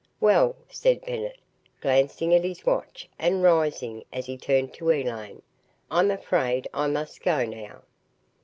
"Well," said Bennett, glancing at his watch and rising as he turned to Elaine, "I'm afraid I must go, now."